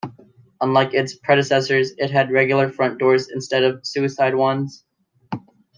Unlike its predecessors it had regular front doors instead of "suicide" ones.